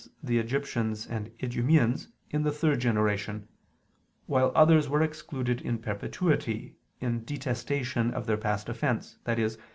the Egyptians and Idumeans, in the third generation; while others were excluded in perpetuity, in detestation of their past offense, i.e.